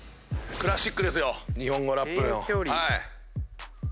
クラシックです日本語ラップの。